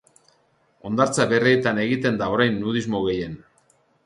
Hondartza berrietan egiten da orain nudismo gehien.